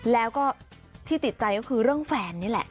แล้วก็ที่ติดใจก็คือเรื่องแฟนนี่แหละ